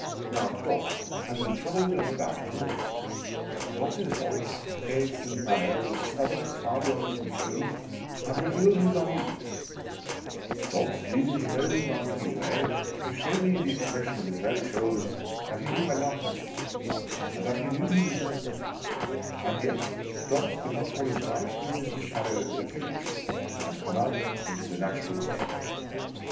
Now, Dobbs has been troubled and abashed in all this ; Dobbs's voice, face, and manner, with a stubbornness far beyond his control, have revealed his un easiness ; Dobbs, leading the noble Marquis away, has shown me in the expression of his very shoulders that he knew I laughed at him, and that he knew he deserved it ; and yet Dobbs could not for his life resist the shadow of the Toady Tree, and come out into the natural air